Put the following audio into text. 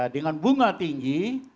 dengan bunga tinggi